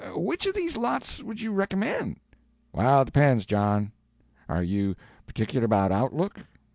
Which of these lots would you recommend?" "Well, it depends, John. Are you particular about outlook?"